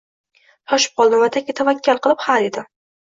Shoshib qoldim va tavakkal qilib Ha, dedim